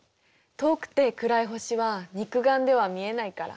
遠くて暗い星は肉眼では見えないから。